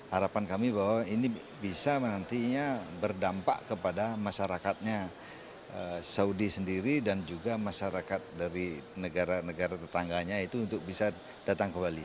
harapan kami bahwa ini bisa nantinya berdampak kepada masyarakatnya saudi sendiri dan juga masyarakat dari negara negara tetangganya itu untuk bisa datang ke bali